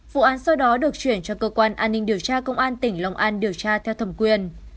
vụ án sau đó được chuyển cho cơ quan an ninh điều tra công an tỉnh lòng an điều tra theo thẩm quyền